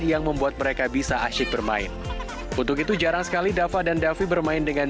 yang membuat mereka bisa asyik bermain untuk itu jarang sekali dava dan davi bermain dengan